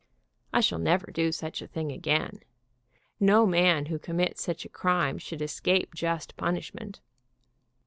I shall never do such a thing again. No man who commits such a crime should escape just punishment.